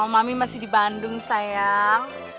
om mami masih di bandung sayang